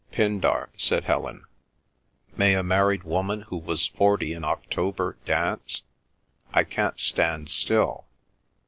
"Pindar," said Helen. "May a married woman who was forty in October dance? I can't stand still."